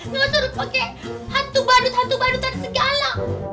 nggak surut pake hantu bandut hantu bandutan segala